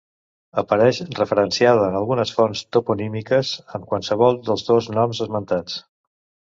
Apareix referenciada en algunes fonts toponímiques amb qualsevol dels dos noms esmentats.